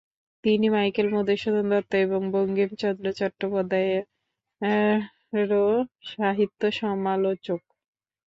তিনি মাইকেল মধুসূদন দত্ত এবং বঙ্কিমচন্দ্র চট্টোপাধ্যায়েরও সাহিত্য সমালোচক।